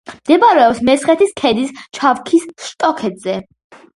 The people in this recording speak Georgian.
მდებარეობს მესხეთის ქედის ჩაქვის შტოქედზე.